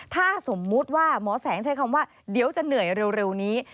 ถ้าสมมุติว่าหมอแสงใช้คำว่าเดี๋ยวจะเหนื่อยเร็วนี้